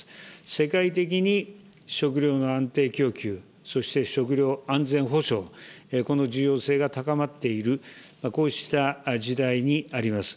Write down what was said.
世界的に食料の安定供給、そして食料安全保障、この重要性が高まっている、こうした時代にあります。